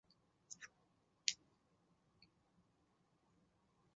东北三肋果为菊科三肋果属下的一个种。